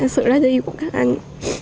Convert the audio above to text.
sự ra đi của các anh